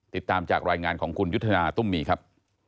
ติดตามจากรายงานของคุณยุทธนาตุ้มมีครับ